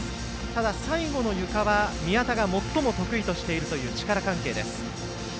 ただ、最後のゆかは宮田が最も得意としているという力関係です。